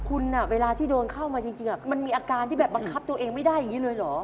คุณเวลาที่โดนเข้ามาจริงมันมีอาการที่แบบบังคับตัวเองไม่ได้อย่างนี้เลยเหรอ